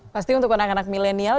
pasti untuk anak anak milenial